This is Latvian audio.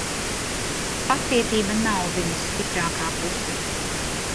Pacietība nav viņas stiprākā puse.